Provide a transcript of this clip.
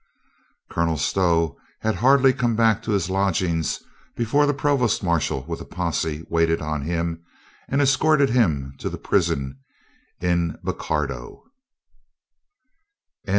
Colonel Stow had hardly come back to his lodg ings before the Provost Marshal with a posse waited on him and escorted him to the prison in Bocardo.